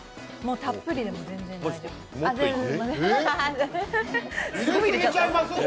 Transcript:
たっぷりでも全然大丈夫です。